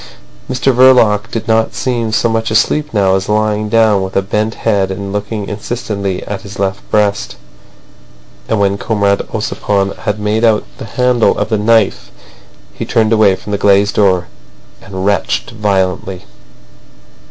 Mr Verloc did not seem so much asleep now as lying down with a bent head and looking insistently at his left breast. And when Comrade Ossipon had made out the handle of the knife he turned away from the glazed door, and retched violently.